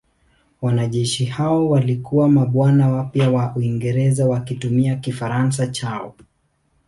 Wanajeshi hao walikuwa mabwana wapya wa Uingereza wakitumia Kifaransa chao.